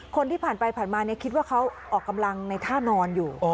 คนที่ผ่านไปผ่านมาคิดว่าเขาออกกำลังในท่านอนอยู่